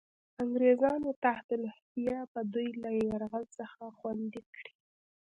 انګرېزانو تحت الحیه به دوی له یرغل څخه خوندي کړي.